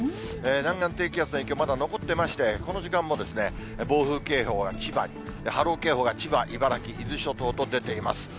南岸低気圧の影響、まだ残ってまして、この時間も暴風警報が千葉に、波浪警報が千葉、茨城、伊豆諸島と出ています。